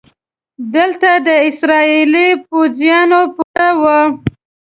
دلته د اسرائیلي پوځیانو پوسته وه.